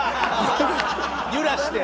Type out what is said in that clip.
揺らして。